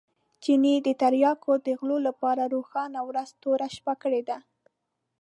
چیني د تریاکو د غلو لپاره روښانه ورځ توره شپه کړې وه.